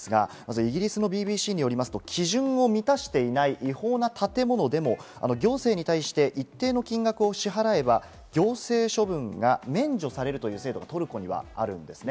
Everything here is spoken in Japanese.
イギリス・ＢＢＣよりますと、基準を満たしていない違法な建物でも、行政に対して一定の金額を支払えば行政処分が免除されるという制度がトルコにはあります。